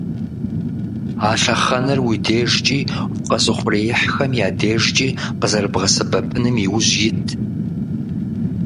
А лъэхъэнэр уи дежкӀи укъэзыухъуреихьхэм я дежкӀи къызэрыбгъэсэбэпыным иужь ит.